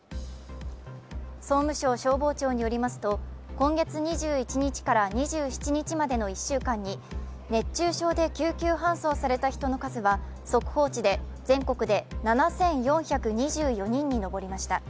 総務省消防庁によりますと、今月２１日から２７日までの１週間に熱中症で救急搬送された人の数は速報値で全国で７４２４人に上りました。